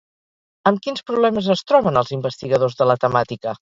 Amb quins problemes es troben els investigadors de la temàtica?